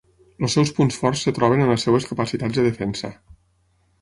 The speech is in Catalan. Els seus punts forts es troben en les seves capacitats de defensa.